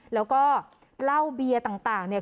แล้วก็เหล้าเบียร์ต่างเนี่ย